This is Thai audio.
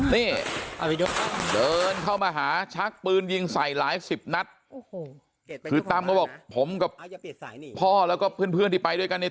นี่เดินเข้ามาหาชักปืนยิงใส่หลายสิบนัดโอ้โหคือตั้มเขาบอกผมกับพ่อแล้วก็เพื่อนที่ไปด้วยกันเนี่ย